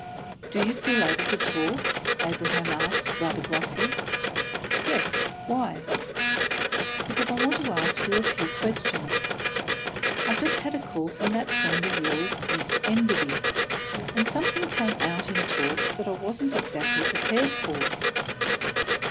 "Do you feel able to talk?" Abraham asked, rather gruffly. "Yes. Why?" "Because I want to ask you a few questions. I've just had a call from that friend of yours, Mr. Enderby, and something came out in talk that I wasn't exactly prepared for."